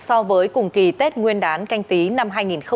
so với cùng kỳ tết nguyên đán canh tí năm hai nghìn hai mươi